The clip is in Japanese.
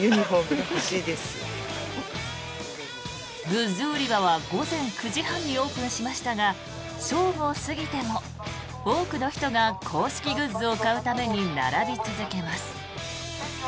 グッズ売り場は午前９時半にオープンしましたが正午を過ぎても多くの人が公式グッズを買うために並び続けます。